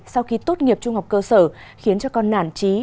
sau khi tốt nghiệp trung học cơ sở khiến cho con nản trí